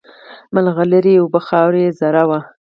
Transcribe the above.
مرغلري یې اوبه خاوره یې زر وه